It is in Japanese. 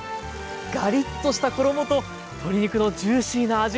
ガリッとした衣と鶏肉のジューシーな味わい！